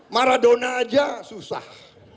maradona aja susah